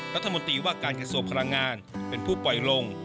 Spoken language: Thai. และธรรมดีว่าการกระโสบพลังงานเป็นผู้ปล่อยลง